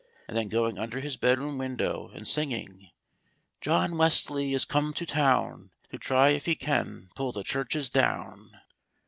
and then going under his bedroom window and singing: "John Wesley is come to town, To try if he can pull the churches down."